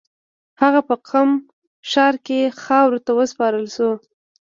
هغه په قم ښار کې خاورو ته وسپارل شو.